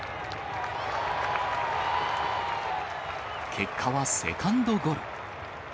結果はセカンドゴロ。